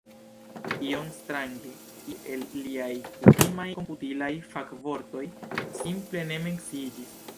Iom strange iu el liaj kutimaj komputilaj fakvortoj simple ne menciiĝis.